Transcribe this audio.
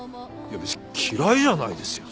別に嫌いじゃないですよ。